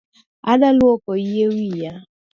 Adwa luoko yie wiya